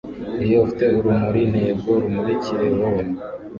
Iyo ufite urumuri ntebwo rumurikire wowe